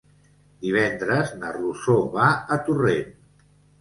Divendres na Rosó va a Torrent.